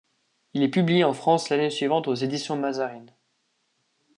Il est publié en France l'année suivante aux éditions Mazarine.